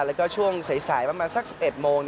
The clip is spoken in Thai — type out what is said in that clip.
แล้วก็ช่วงสายประมาณสัก๑๑โมง